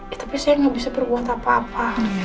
ya tapi saya nggak bisa berbuat apa apa